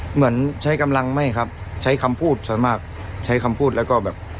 เหมือนใช้กำลังไม่ครับใช้คำพูดส่วนมากใช้คำพูดแล้วก็แบบ